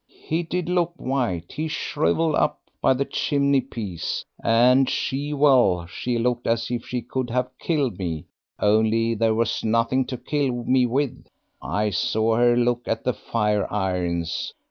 He did look white, he shrivelled up by the chimney piece, and she well, she looked as if she could have killed me, only there was nothing to kill me with. I saw her look at the fire irons.